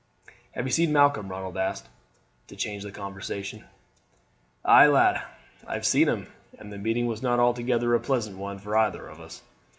"Have you seen Malcolm?" Ronald asked, to change the conversation. "Ay, lad, I have seen him, and the meeting was not altogether a pleasant one for either of us."